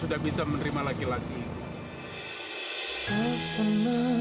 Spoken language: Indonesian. udah tinggal kontroversi